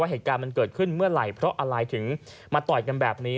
เหตุการณ์มันเกิดขึ้นเมื่อไหร่เพราะอะไรถึงมาต่อยกันแบบนี้